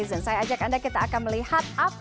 berada di barat